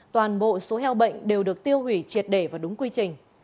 toàn bộ số heo bệnh đều được tiêu hủy triệt để và đúng quy trình